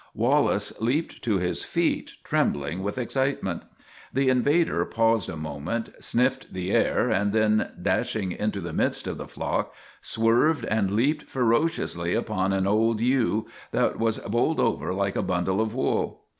Wallace leaped to his feet, trembling with ex citement. The invader paused a moment, sniffed the air, and then, dashing into the midst of the flock, swerved and leaped ferociously upon an old ewe, that was bowled over like a bundle of wool.